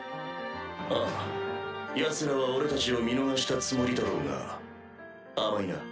ああヤツらは俺たちを見逃したつもりだろうが甘いな。